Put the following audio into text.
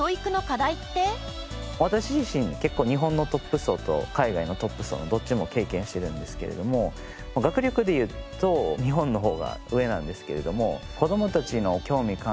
私自身結構日本のトップ層と海外のトップ層のどっちも経験しているんですけれども学力でいうと日本の方が上なんですけれども。